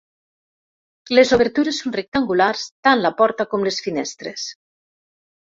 Les obertures són rectangulars, tant la porta com les finestres.